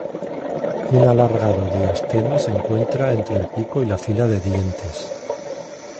Un alargado diastema se encuentra entre el pico y la fila de dientes.